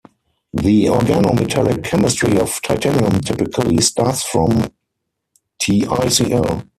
The organometallic chemistry of titanium typically starts from TiCl.